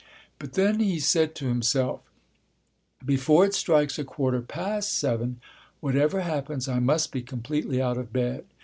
But then he said to himself, "Before it strikes a quarter past seven, whatever happens I must be completely out of bed.